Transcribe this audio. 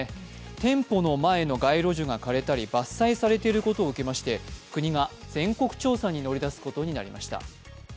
店舗の前の街路樹が枯れたり伐採されていることを受けまして、国が全国調査に乗り出すことになりました。